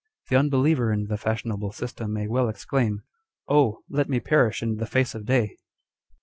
The unbeliever in the fashionable system may well exclaim â€" Oil ! let me perish in the face of day